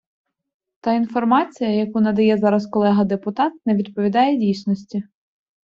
Та інформація, яку надає зараз колега депутат, не відповідає дійсності.